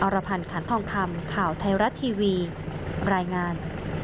รพันธ์ขันทองคำข่าวไทยรัฐทีวีรายงาน